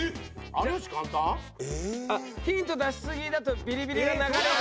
有吉簡単？ヒント出しすぎだとビリビリが流れる。